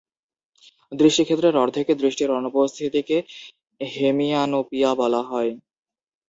দৃষ্টি ক্ষেত্রের অর্ধেকে দৃষ্টির অনুপস্থিতিকে হেমিয়ানোপিয়া বলা হয়।